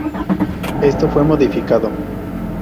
Esto fue modificado.